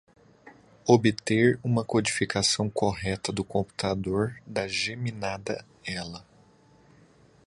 Obter uma codificação correta do computador da geminada ela.